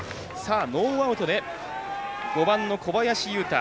ノーアウトで５番の小林優太。